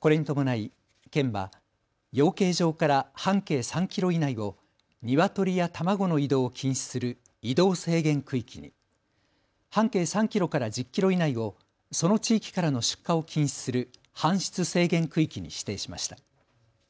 これに伴い、県は養鶏場から半径３キロ以内をニワトリや卵の移動を禁止する移動制限区域に、半径３キロから１０キロ以内をその地域からの出荷を禁止する搬出制限区域に指定しました。